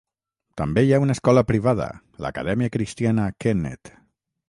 També hi ha una escola privada, l'Acadèmica Cristiana Kennet.